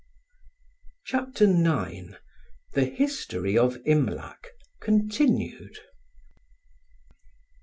CHAPTER IX THE HISTORY OF IMLAC (continued).